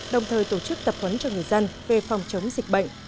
đồng thời tổ chức tập huấn cho người dân về phòng chống dịch bệnh